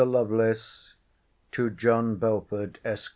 LOVELACE, TO JOHN BELFORD, ESQ.